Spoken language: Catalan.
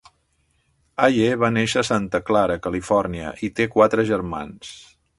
Haje va néixer a Santa Clara, Califòrnia i té quatre germans.